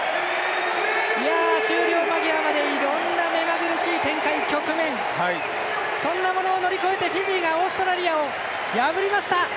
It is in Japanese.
終了間際までいろんな目まぐるしい展開局面、そんなものを乗り越えてフィジーがオーストラリアを破りました！